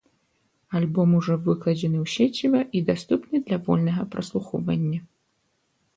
Альбом ужо выкладзены ў сеціва і даступны для вольнага праслухоўвання.